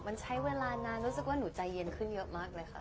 มันใช้เวลานานรู้สึกว่าหนูใจเย็นขึ้นเยอะมากเลยค่ะ